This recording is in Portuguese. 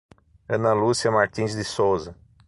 Ana Lucia Martins de Souza